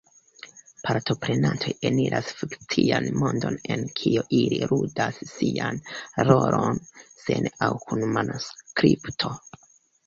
Partoprenantoj eniras fikcian mondon en kio ili ludas sian rolon, sen aŭ kun manuskripto.